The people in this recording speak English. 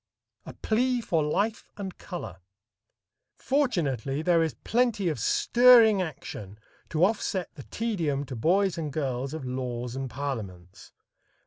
A Plea for Life and Color. Fortunately there is plenty of stirring action to offset the tedium (to boys and girls) of laws and parliaments.